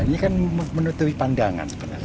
ini kan menutupi pandangan